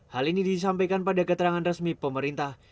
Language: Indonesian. hal ini disampaikan pada keterangan resmi pemerintah